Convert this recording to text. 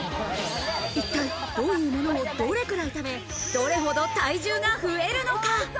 一体、どういうものをどれくらい食べ、どれほど体重が増えるのか。